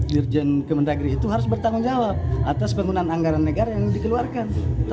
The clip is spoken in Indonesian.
dirjen kemendagri itu harus bertanggung jawab atas penggunaan anggaran negara yang dikeluarkan